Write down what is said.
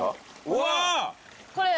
うわ！